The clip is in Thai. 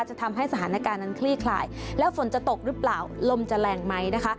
จะทำให้สถานการณ์นั้นคลี่คลายแล้วฝนจะตกหรือเปล่าลมจะแรงไหมนะคะ